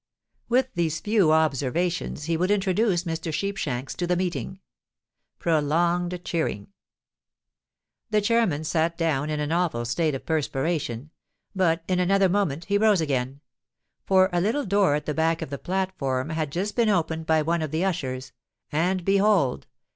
_) With these few observations, he would introduce Mr. Sheepshanks to the meeting. (Prolonged cheering.) The chairman sate down in an awful state of perspiration; but, in another moment he rose again; for a little door at the back of the platform had just been opened by one of the ushers—and behold!